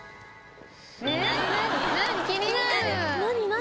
何？